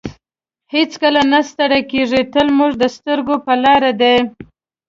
هېڅکله نه ستړی کیږي تل موږ ته سترګې په لار دی.